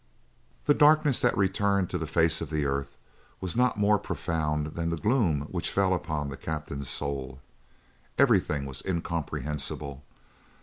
The darkness that returned to the face of the earth was not more profound than the gloom which fell upon the captain's soul. Everything was incomprehensible.